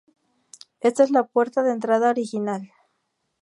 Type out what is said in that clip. Ésta es la puerta de entrada original.